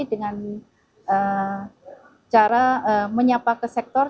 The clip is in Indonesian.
dengan cara menyapa ke sektor